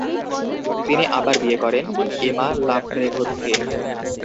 তিনি আবার বিয়ে করেন, এমা লাপ্রেভোতকে।